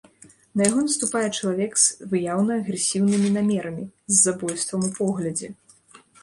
На яго наступае чалавек з выяўна агрэсіўнымі намерамі, з забойствам у поглядзе.